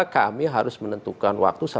kami harus menentukan waktu